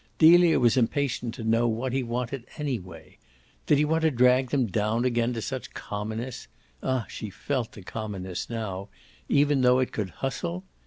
Delia was impatient to know what he wanted anyway. Did he want to drag them down again to such commonness ah she felt the commonness now! even though it COULD hustle?